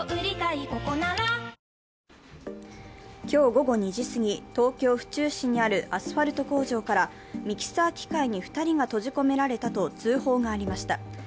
今日午後２時過ぎ東京・府中市にあるアスファルト工場からミキサー機械に２人が閉じ込められたと通報がありました。